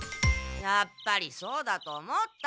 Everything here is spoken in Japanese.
やっぱりそうだと思った。